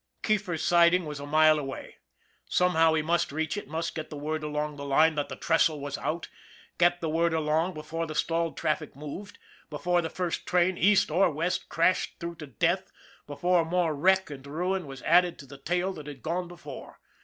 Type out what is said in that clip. " Keefer's Siding was a mile away. Somehow he must reach it, must get the word along the line that the trestle was out, get the word along before the stalled traffic moved, before the first train east or west crashed through to death, before more wreck and ruin was added to the tale that had gone before.